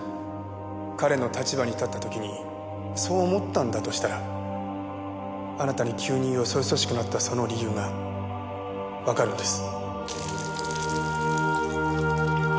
彼の立場に立った時にそう思ったんだとしたらあなたに急によそよそしくなったその理由がわかるんです。